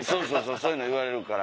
そういうの言われるから。